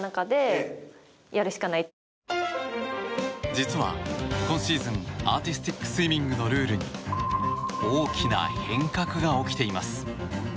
実は今シーズンアーティスティックスイミングのルールに大きな変革が起きています。